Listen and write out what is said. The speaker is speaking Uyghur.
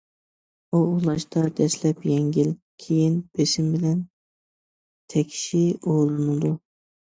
ئۇۋۇلاشتا دەسلەپ يەڭگىل، كېيىن بېسىم بىلەن تەكشى ئۇۋۇلىنىدۇ.